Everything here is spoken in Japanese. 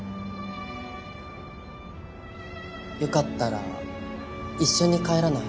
よかったら一緒に帰らない？